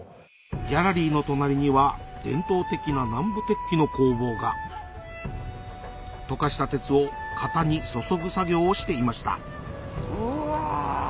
ギャラリーの隣には伝統的な南部鉄器の工房が溶かした鉄を型に注ぐ作業をしていましたうわ